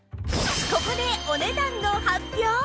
ここでお値段の発表！